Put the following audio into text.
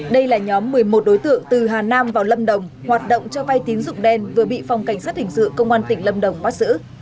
đây là nhóm một mươi một đối tượng từ hà nam vào lâm đồng hoạt động cho vay tín dụng đen vừa bị phòng cảnh sát hình sự công an tỉnh lâm đồng bắt giữ